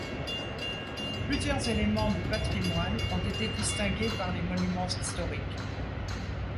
Plusieurs éléments du patrimoine ont été distingués par les Monuments historiques.